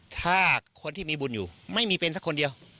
ถ้าคนที่มีบุญอยู่ไม่มีเป็นสักคนเดียว